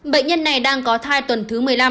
bệnh nhân này đang có thai tuần thứ một mươi năm